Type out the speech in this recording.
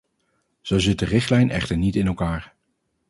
Zo zit de richtlijn echter niet in elkaar.